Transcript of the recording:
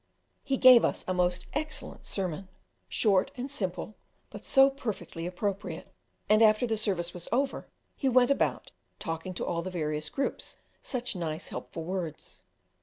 He gave us a most excellent sermon, short and simple, but so perfectly appropriate; and after the service was over he went about, talking to all the various groups such nice, helpful words.